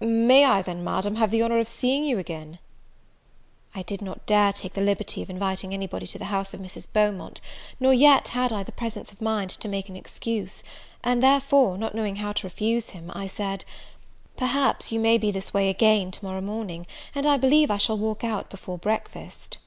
"May I then, Madam, have the honour of seeing you again?" I did not dare take the liberty of inviting any body to the house of Mrs. Beaumont, nor yet had I the presence of mind to make an excuse; and, therefore, not knowing how to refuse him, I said, "Perhaps you may be this way again to morrow morning, and I believe I shall walk out before breakfast."